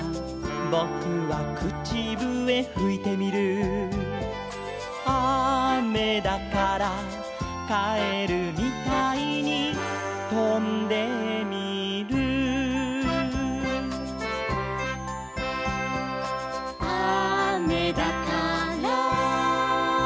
「ぼくはくちぶえふいてみる」「あめだから」「かえるみたいにとんでみる」「あめだから」